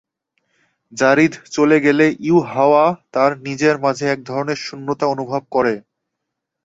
যারীদ চলে গেলে ইউহাওয়া তার নিজের মাঝে এক ধরনের শূন্যতা অনুভব করে।